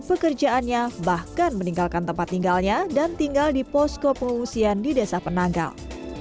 pekerjaannya bahkan meninggalkan tempat tinggalnya dan tinggal di posko pengungsian di desa penanggal